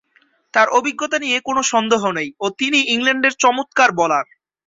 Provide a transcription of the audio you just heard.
তার অভিজ্ঞতা নিয়ে কোন সন্দেহ নেই ও তিনি ইংল্যান্ডের চমৎকার বোলার।